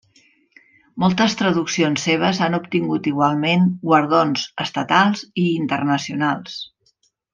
Moltes traduccions seves han obtingut igualment guardons estatals i internacionals.